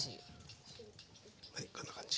はいこんな感じ。